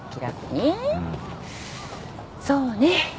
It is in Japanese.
そうね。